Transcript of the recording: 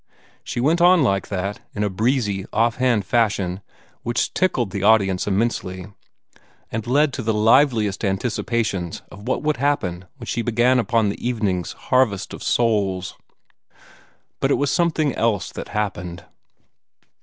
She went on like that, in a breezy, off hand fashion which tickled the audience immensely, and led to the liveliest anticipations of what would happen when she began upon the evening's harvest of souls. But it was something else that happened.